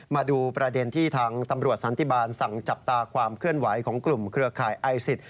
มาดูประเด็นที่ทางตำรวจสันติบาลสั่งจับตาความเคลื่อนไหวของกลุ่มเครือข่ายไอซิส